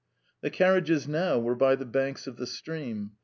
The carriages now were by the banks of the stream.